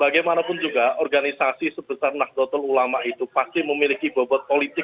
bagaimanapun juga organisasi sebesar nahdlatul ulama itu pasti memiliki bobot politik